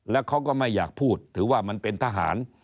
แล้วเขาก็ไม่อยากพูดถือว่ามันเป็นทหาร